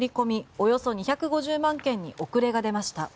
およそ２５０万件に遅れが出ました。